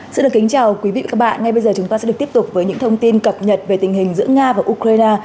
xin được kính chào quý vị và các bạn ngay bây giờ chúng ta sẽ được tiếp tục với những thông tin cập nhật về tình hình giữa nga và ukraine